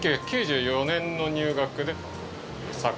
１９９４年の入学です。